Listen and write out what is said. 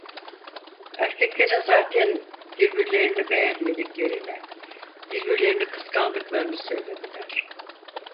Erkeklerin zaten birbirlerini beğenmediklerini, birbirlerini kıskandıklarını söylediler.